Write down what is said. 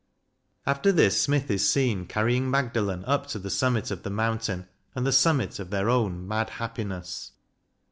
After this Smith is seen carrying Magdalen up to the summit of the mountain, and the summit of their own "mad happiness."